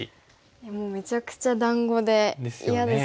もうめちゃくちゃ団子で嫌ですね。